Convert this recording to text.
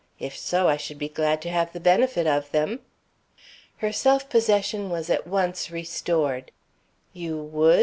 If so, I should be glad to have the benefit of them." Her self possession was at once restored. "You would?"